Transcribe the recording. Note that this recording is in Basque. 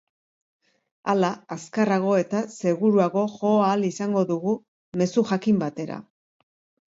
Hala, azkarrago eta seguruago jo ahal izango dugu mezu jakin batera.